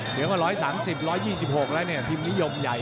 เหลือก็๑๓๐๑๒๖แล้วเนี่ยพิมพ์นิยมใหญ่